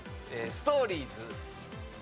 ストーリーズ。